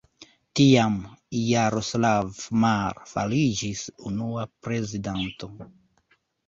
Tiam, Jaroslav Mar fariĝis unua prezidanto.